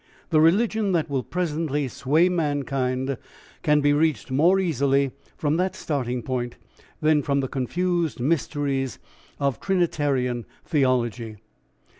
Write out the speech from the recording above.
The religion that will presently sway mankind can be reached more easily from that starting point than from the confused mysteries of Trinitarian theology.